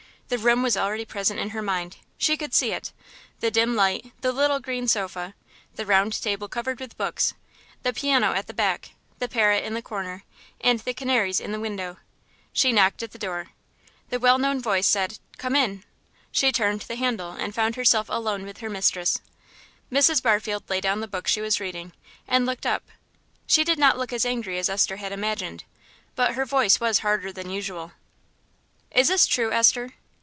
The room was already present in her mind. She could see it. The dim light, the little green sofa, the round table covered with books, the piano at the back, the parrot in the corner, and the canaries in the window. She knocked at the door. The well known voice said, "Come in." She turned the handle, and found herself alone with her mistress. Mrs. Barfield laid down the book she was reading, and looked up. She did not look as angry as Esther had imagined, but her voice was harder than usual. "Is this true, Esther?"